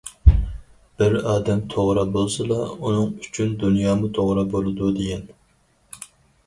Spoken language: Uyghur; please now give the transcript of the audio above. بىر ئادەم توغرا بولسىلا، ئۇنىڭ ئۈچۈن دۇنيامۇ توغرا بولىدۇ، دېگەن.